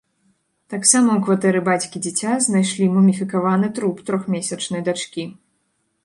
Таксама ў кватэры бацькі дзіця знайшлі муміфікаваны труп трохмесячнай дачкі.